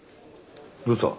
どうした？